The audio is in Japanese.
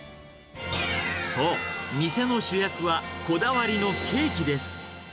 そう、店の主役はこだわりのケーキです。